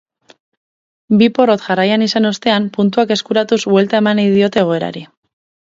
Bi porrot jarraian izan ostean puntuak eskuratuz buelta eman nahi diote egoerari.